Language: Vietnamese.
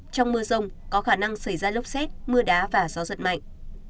trong mưa rông có khả năng xảy ra lốc xét mưa đá và gió giật mạnh